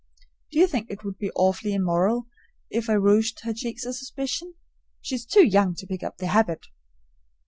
Do you think it would be awfully immoral if I rouged her cheeks a suspicion? She is too young to pick up the habit.